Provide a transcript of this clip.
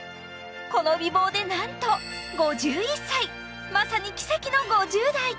この美貌でなんとまさに奇跡の５０代！